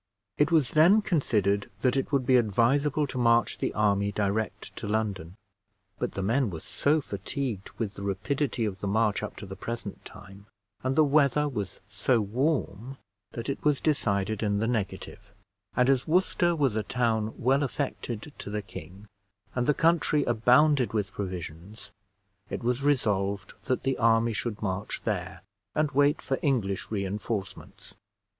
It was then considered that it would be advisable to march the army direct to London; but the men were so fatigued with the rapidity of the march up to the present time, and the weather was so warm, that it was decided in the negative; and as Worcester was a town well affected to the king, and the country abounded with provisions, it was resolved that the army should march there, and wait for English re enforcements.